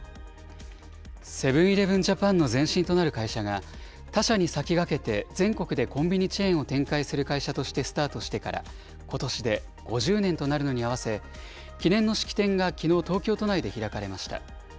セブンーイレブン・ジャパンの前身となる会社が、他社に先駆けて全国でコンビニチェーンを展開する会社としてスタートしてから、ことしで５０年となるのに合わせ、記念の式典がきのう、東京都内で開かれました。